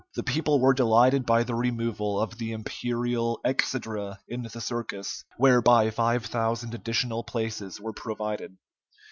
The people were delighted by the removal of the imperial exedra in the circus, whereby five thousand additional places were provided.